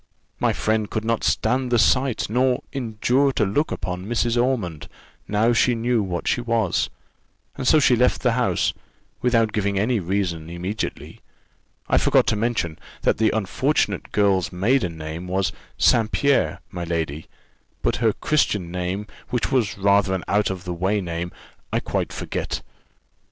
My friend could not stand the sight, nor endure to look upon Mrs. Ormond now she knew what she was; and so she left the house, without giving any reason, immediately. I forgot to mention, that the unfortunate girl's maiden name was St. Pierre, my lady: but her Christian name, which was rather an out o' the way name, I quite forget."